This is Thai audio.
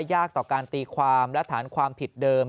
ยากต่อการตีความและฐานความผิดเดิม